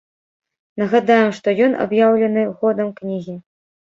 Нагадаем, што ён аб'яўлены годам кнігі.